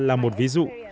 là một ví dụ